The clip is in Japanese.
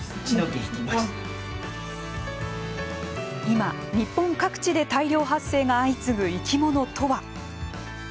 今、日本各地で大量発生が相次ぐ生き物とは。